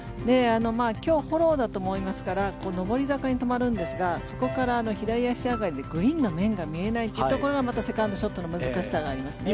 今日フォローだと思いますから上り坂に止まるんですがそこから左足上がりでグリーンの面が見えないというところがまたセカンドショットの難しさがありますね。